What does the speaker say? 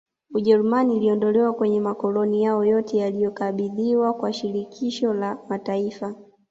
Ujerumani iliondolewa kwenye makoloni yao yote yaliyokabidhiwa kwa shirikisho la mataifa